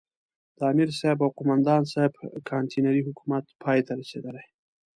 د امرصاحب او قوماندان صاحب کانتينري حکومت پای ته رسېدلی.